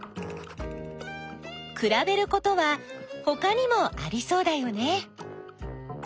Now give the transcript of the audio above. くらべることはほかにもありそうだよね！